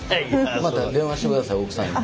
また電話してください奥さんに。